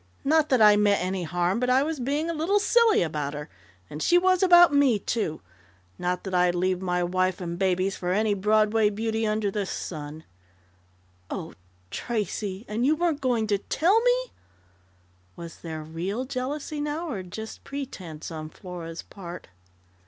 Not that I meant any harm, but I was being a little silly about her and she was about me, too! Not that I'd leave my wife and babies for any Broadway beauty under the sun " "Oh, Tracey! And you weren't going to tell me " Was there real jealousy now, or just pretense on Flora's part?